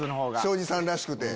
庄司さんらしくて。